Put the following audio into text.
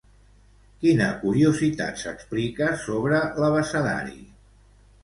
Quina curiositat s'explica sobre l'abecedari?